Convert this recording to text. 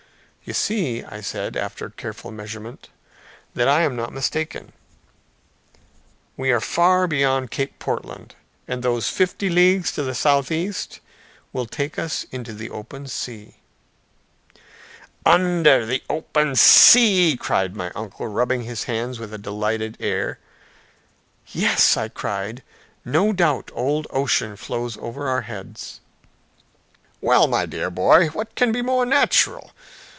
"You see," I said, after careful measurement, "that I am not mistaken. We are far beyond Cape Portland; and those fifty leagues to the southeast will take us into the open sea." "Under the open sea," cried my uncle, rubbing his hands with a delighted air. "Yes," I cried, "no doubt old Ocean flows over our heads!" "Well, my dear boy, what can be more natural!